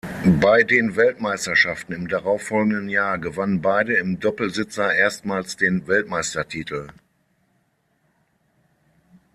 Bei den Weltmeisterschaften im darauffolgenden Jahr gewannen beide im Doppelsitzer erstmals den Weltmeistertitel.